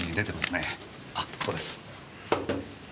あっここです。